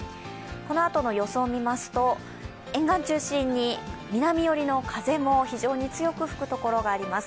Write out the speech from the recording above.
このあとの予想を見ますと、沿岸中心に南寄りの風も非常に強く吹く所があります。